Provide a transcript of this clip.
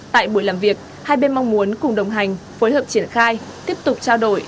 tại buổi làm việc hai bên mong muốn cùng đồng hành phối hợp triển khai tiếp tục trao đổi